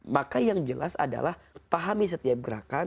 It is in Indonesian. maka yang jelas adalah pahami setiap gerakan